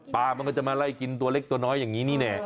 มันก็จะมาไล่กินตัวเล็กตัวน้อยอย่างนี้นี่แน่